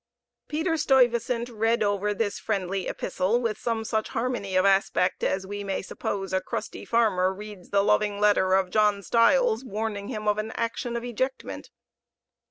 Peter Stuyvesant read over this friendly epistle with some such harmony of aspect as we may suppose a crusty farmer reads the loving letter of John Stiles, warning him of an action of ejectment.